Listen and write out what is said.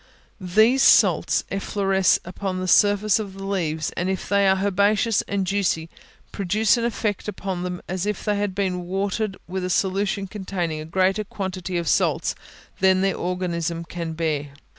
These salts effloresce upon the surface of the leaves, and if they are herbaceous and juicy, produce an effect upon them as if they had been watered with a solution containing a greater quantity of salts than their organism can bear.